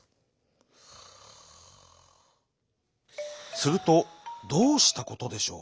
するとどうしたことでしょう。